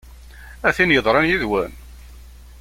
A tin yeḍran yid-wen!